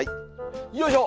よいしょ！